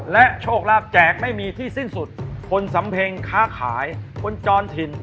และโชคลาภแจกไม่มีที่สิ้นสุดคนสำเพ็งค้าขายคนจรถิ่น